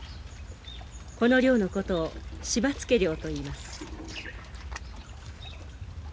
この漁のことを柴つけ漁といいます。